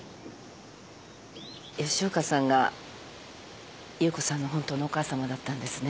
吉岡さんが夕子さんの本当のお母さまだったんですね？